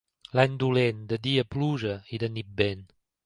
L'any dolent, de dia pluja i de nit vent.